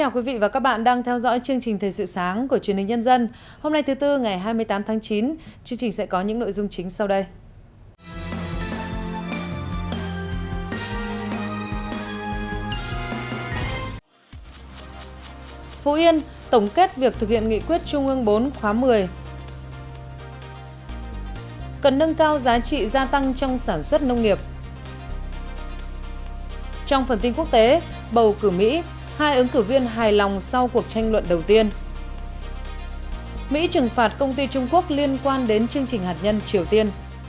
các bạn hãy đăng ký kênh để ủng hộ kênh của chúng mình nhé